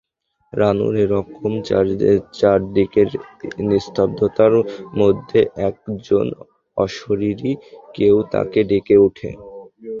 রানুর এ রকম চারদিকের নিস্তব্ধতার মধ্যে এক জন অশরীরী কেউ তাকে ডেকে ওঠে।